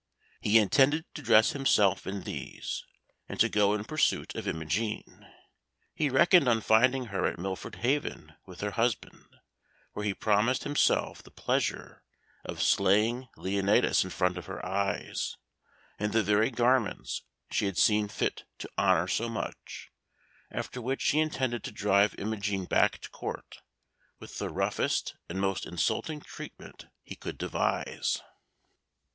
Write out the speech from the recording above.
He intended to dress himself in these, and to go in pursuit of Imogen. He reckoned on finding her at Milford Haven with her husband, where he promised himself the pleasure of slaying Leonatus in front of her eyes, in the very garments she had seen fit to honour so much, after which he intended to drive Imogen back to Court with the roughest and most insulting treatment he could devise.